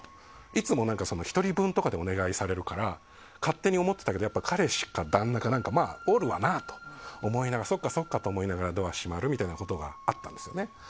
いつも１人分とかでお願いされるから勝手に思ってたけど彼氏か旦那がおるわなって思いながらそっか、そっかって思いながらドアが閉まるみたいなことがあったんですよね。